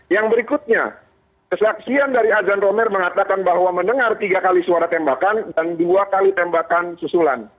yang berikutnya kesaksian dari azan romer mengatakan bahwa mendengar tiga kali suara tembakan dan dua kali tembakan susulan